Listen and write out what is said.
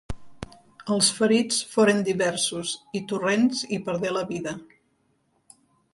Els ferits foren diversos i Torrents hi perdé la vida.